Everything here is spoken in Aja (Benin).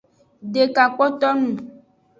Deka kpoto nung.